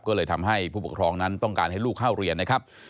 ก็เลยทำให้ผู้ปกครองนั้นต้องการให้ลูกเข้าเรียนนะครับ